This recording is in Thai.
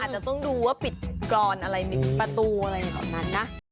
จะต้องดูว่าปิดกรอนอะไรประตูอะไรแบบนั้นนะ